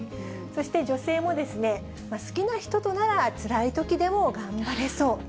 そして女性も、好きな人となら、つらいときでも頑張れそう。